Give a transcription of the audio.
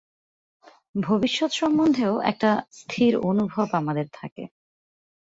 ভবিষ্যৎ সম্বন্ধেও একটা স্থির অনুভব আমাদের থাকে।